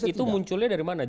itu munculnya dari mana